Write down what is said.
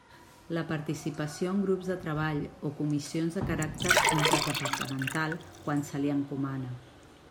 La participació en grups de treball o comissions de caràcter interdepartamental quan se li encomana.